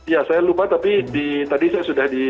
ya saya lupa tapi tadi saya sudah di